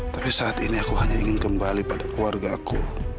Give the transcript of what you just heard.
tapi saat ini aku hanya ingin kembali pada keluargaku